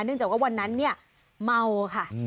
เนื่องจากว่าวันนั้นเมาค่ะ